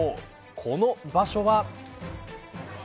この場所は。